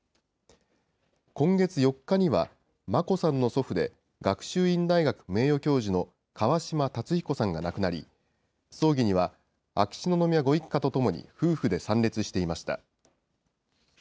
今月４日には眞子さんの祖父で学習院大学名誉教授の川嶋辰彦さんが亡くなり、葬儀には秋篠宮ご一家と共に夫婦で参列していました。